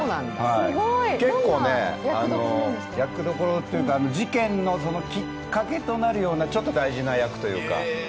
結構役どころというか、事件のきっかけになるというか、ちょっと大事な役というか。